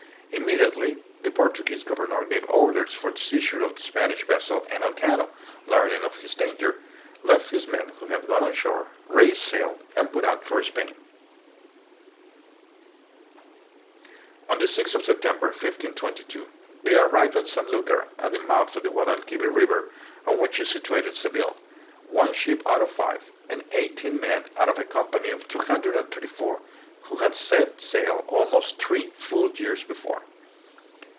Immediately the Portuguese governor gave orders for the seizure of the Spanish vessel and Elcano, learning of his danger, left his men who had gone on shore, raised sail, and put out for Spain. On the 6th of September, 1522, they arrived at San lucar, at the mouth of the Guadalquivir River, on which is situated Seville, one ship out of the five, and eighteen men out of the company of 234 who had set sail almost three full years before.